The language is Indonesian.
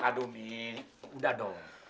aduh mi udah dong